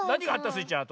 スイちゃん